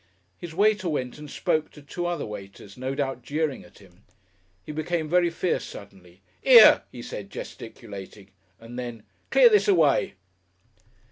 His waiter went and spoke to two other waiters, no doubt jeering at him. He became very fierce suddenly. "Ere!" he said, gesticulating, and then, "clear this away!"